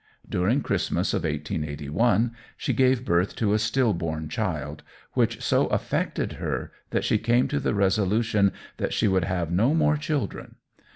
During Christmas of 1881 she gave birth to a stillborn child, which so affected her that she came to the resolution that she would have no more children.